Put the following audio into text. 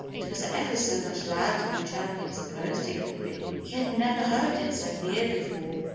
It was ever so much louder than Chirpy had supposed it could be. He had never heard it so near before.